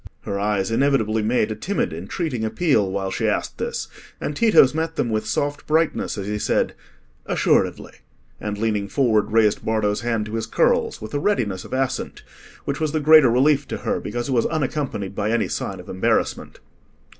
Her eyes inevitably made a timid entreating appeal while she asked this, and Tito's met them with soft brightness as he said, "Assuredly," and, leaning forward, raised Bardo's hand to his curls, with a readiness of assent, which was the greater relief to her, because it was unaccompanied by any sign of embarrassment.